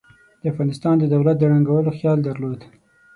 د افغانستان د دولت د ړنګولو خیال درلود.